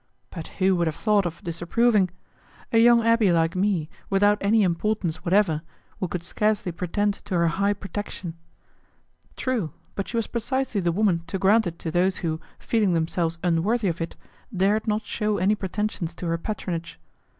But who would have thought of disapproving? A young abbé like me, without any importance whatever, who could scarcely pretend to her high protection! True, but she was precisely the woman to grant it to those who, feeling themselves unworthy of it, dared not shew any pretensions to her patronage.